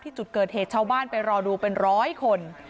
จุดเกิดเหตุชาวบ้านไปรอดูเป็นร้อยคน